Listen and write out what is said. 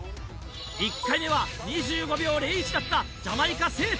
１回目は２５秒０１だったジャマイカセータル。